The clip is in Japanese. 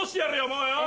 もうよぉ！